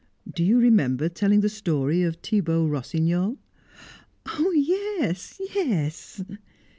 Do you remember telling the story of Thibaut Rossignol?" "Oh yes, yes!"